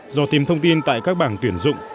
do tìm thông tin tại các bảng tuyển dụng